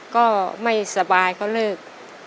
ก็ไม่สบายเขาเลิก